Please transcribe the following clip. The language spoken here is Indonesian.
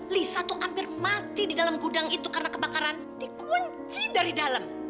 lis satu hampir mati di dalam gudang itu karena kebakaran dikunci dari dalam